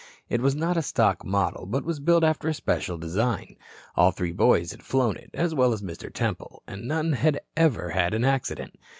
It was not a stock model but was built after a special design. All three boys had flown it, as well as Mr. Temple, and none had ever had an accident.